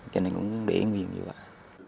cho nên cũng để nguyên như vậy